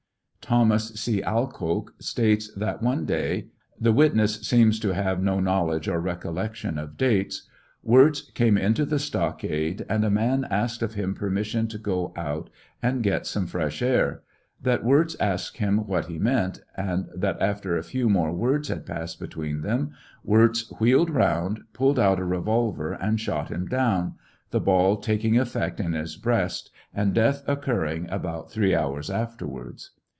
Thomas C. Alcoke states that one day (the witness seems to have no know ledge or recollection of dates) Wirz came into the stockade and a man asked of TRIAL OF HENRY WIRZ. 811 liim permission to go out aud get some fresh air ; that Wirz asked him what he meant, and that after a few more words had passed between them, Wirz " wheeled around," pulled out a revolver and shot Mm down, the ball taking effect in his breast, and death occurring about three hours afterwards.